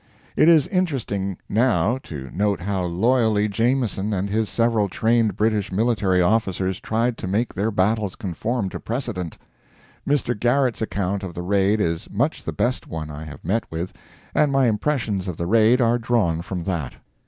It is interesting, now, to note how loyally Jameson and his several trained British military officers tried to make their battles conform to precedent. Mr. Garrett's account of the Raid is much the best one I have met with, and my impressions of the Raid are drawn from that.